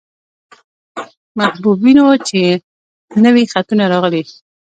محبوب وينو، چې نوي يې خطونه راغلي.